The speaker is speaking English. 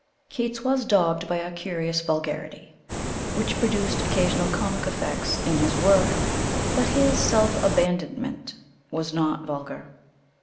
Keats was dogged by a curious vulgarity (which produced occasional comic effects in his work), but his self abandonment was not vulgar.